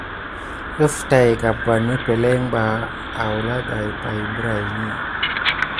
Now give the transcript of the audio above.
Ɗəf tay peɗmekel ɓa nawua pay adaye birayini.